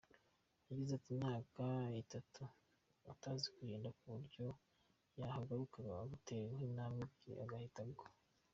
Yagize imyaka itatu atazi kugenda kuburyo yahagurukaga, yatera nk’intambwe ebyiri agahita agwa.